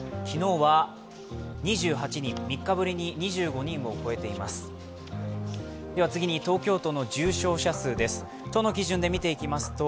昨日は２８人、３日ぶりに２５人を超えています。